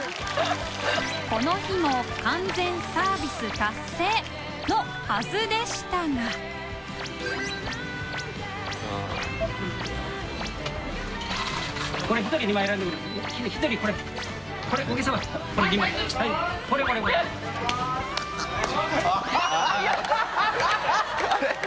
この日も完全サービス達成のはずでしたがハハハ